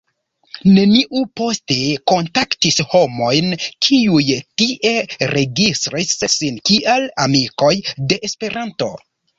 Neniu poste kontaktis homojn, kiuj tie registris sin kiel ”amikoj de Esperanto”.